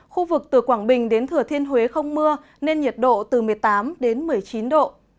khu vực từ quảng bình đến thừa thiên huế không mưa nên nhiệt độ từ một mươi tám đến một mươi chín độ